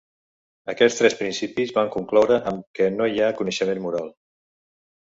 Aquests tres principis van concloure amb què no hi ha coneixement moral.